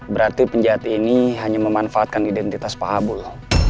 berarti penjahat ini hanya memanfaatkan identitas pak abu